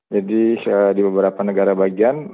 jadi di beberapa negara bagian